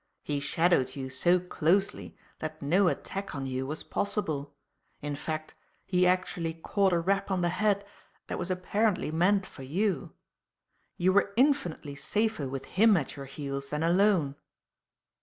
He shadowed you so closely that no attack on you was possible; in fact, he actually caught a rap on the head that was apparently meant for you. You were infinitely safer with him at your heels than alone."